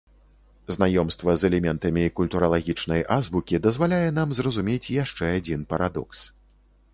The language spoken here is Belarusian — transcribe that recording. Знаёмства з элементамі культуралагічнай азбукі дазваляе нам зразумець яшчэ адзін парадокс.